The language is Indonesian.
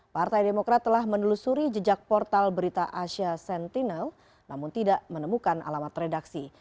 partai demokrat telah menelusuri jejak portal berita asia sentinel namun tidak menemukan alamat redaksi